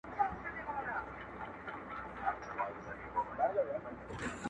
دلته یو وخت د ساقي کور وو اوس به وي او کنه!.